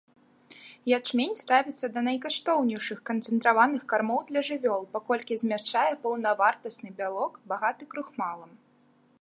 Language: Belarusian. Ячмень ставіцца да найкаштоўнейшых канцэнтраваных кармоў для жывёл, паколькі змяшчае паўнавартасны бялок, багаты крухмалам.